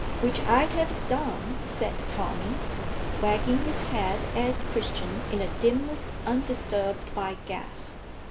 Which I'd ha' done," said Tommy, wagging his head at Christian in the dimness undisturbed by gas.